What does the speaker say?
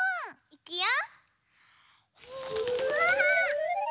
いくよ！